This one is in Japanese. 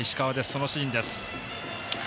そのシーンです。